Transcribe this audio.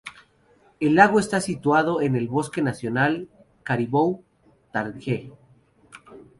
El lago está situado en el bosque Nacional Caribou-Targhee.